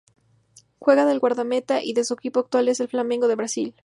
Juega de guardameta y su equipo actual es el Flamengo de Brasil.